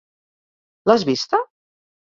L'has vista?